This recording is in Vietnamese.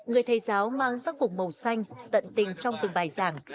người thầy giáo mang sắc cục màu xanh tận tình trong từng bài giảng